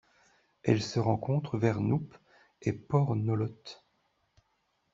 Elle se rencontre vers Noup et Port Nolloth.